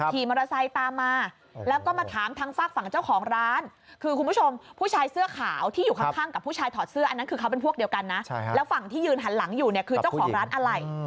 ที่ยืนหันหลังอยู่คือเจ้าของร้านอะไหล่